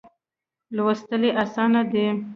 لوستل یې آسانه دي.